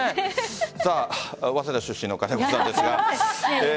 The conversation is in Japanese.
早稲田出身の金子さんですが。